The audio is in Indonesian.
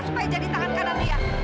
supaya jadi tangan kanan liar